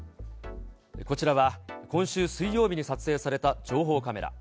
こちらは今週水曜日に撮影された情報カメラ。